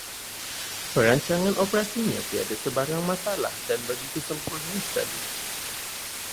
Perancangan operasinya tiada sebarang masalah dan begitu sempurna sekali